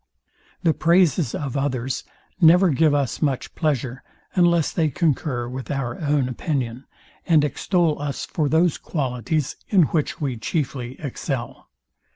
The praises of others never give us much pleasure, unless they concur with our own opinion, and extol us for those qualities, in which we chiefly excel.